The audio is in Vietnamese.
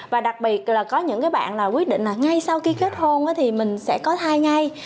và đặc biệt là có những bạn quyết định là ngay sau khi kết hôn thì mình sẽ có thai ngay